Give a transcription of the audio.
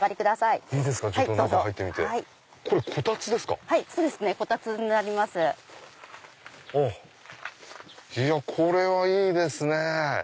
いやこれはいいですね！